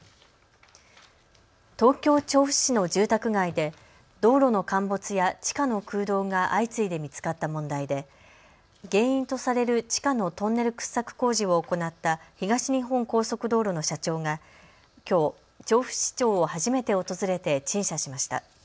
東京調布市の住宅街で道路の陥没や地下の空洞が相次いで見つかった問題で原因とされる地下のトンネル掘削工事を行った東日本高速道路の社長がきょう調布市長を初めて訪れて陳謝しました。